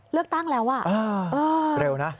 เลือกตั้งแล้วเร็วนะ